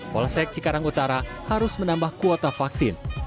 polsek cikarang utara harus menambah kuota vaksin